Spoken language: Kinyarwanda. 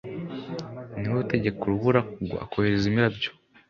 ni we utegeka urubura kugwa akohereza imirabyo